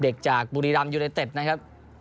เด็กจากบุรีรัมย์ยูเลเต็ดนะครับ